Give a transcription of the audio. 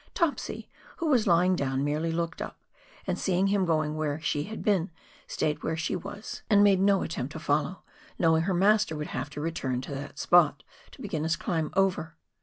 " Topsy," who was lying down, merely looked up, and seeing hiui going where she had been, staj ed whore she was, and made no attempt 96 PIONEER WORK IN THE ALPS OF NEW ZEALAND. to follow, knowing her master would have to return to that spot to begin his climb over.